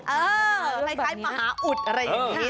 เอออะไรคล้ายมหาอุดอะไรอย่างนี้